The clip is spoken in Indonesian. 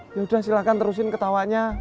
yaudah silakan terusin ketawanya